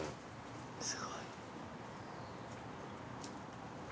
すごい。